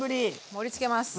盛りつけます。